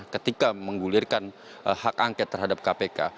ketika menggulirkan hak angket terhadap kpk